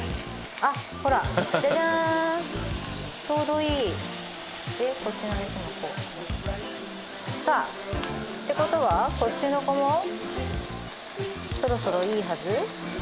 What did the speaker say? あっほらじゃじゃーんちょうどいいでこっちの肉もこうでしょさあってことはこっちの子もそろそろいいはず？